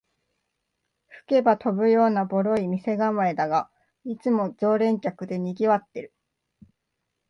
吹けば飛ぶようなボロい店構えだが、いつも常連客でにぎわってる